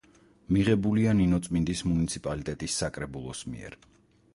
მიღებულია ნინოწმინდის მუნიციპალიტეტის საკრებულოს მიერ.